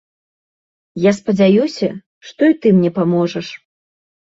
Я спадзяюся, што і ты мне паможаш.